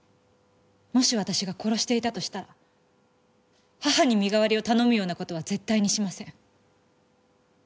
もし私が殺していたとしたら母に身代わりを頼むような事は絶対にしません。